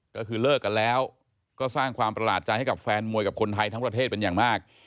ก็คือเลิกกันแล้วก็สร้างความประหลาดใจให้กับแฟนมวยกับคนไทยทั้งประเทศเป็นอย่างมาก